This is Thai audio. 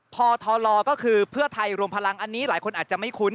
พลก็คือเพื่อไทยรวมพลังอันนี้หลายคนอาจจะไม่คุ้น